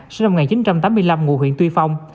sinh năm một nghìn chín trăm tám mươi năm ngụ huyện tuy phong